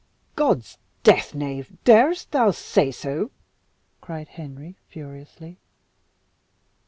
"Ah, God's death, knave! darest thou say so?" cried Henry furiously.